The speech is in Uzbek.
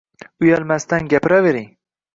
Uyalmasdan gapiravering